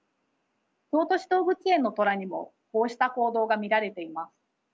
京都市動物園のトラにもこうした行動が見られています。